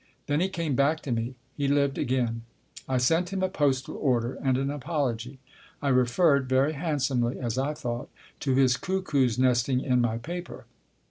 Then he came back to me he lived again. I sent him a postal order and an apology. I referred, very handsomely as I thought, to his cuckoo's nesting in my paper.